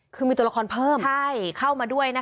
คือมีตัวละครเพิ่มเข้ามาด้วยนะคะ